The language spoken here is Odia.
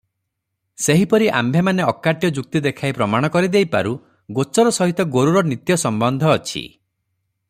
ସେହିପରି ଆମ୍ଭେମାନେ ଅକାଟ୍ୟ ଯୁକ୍ତି ଦେଖାଇ ପ୍ରମାଣ କରିଦେଇପାରୁ ଗୋଚର ସହିତ ଗୋରୁର ନିତ୍ୟ ସମ୍ବନ୍ଧ ଅଛି ।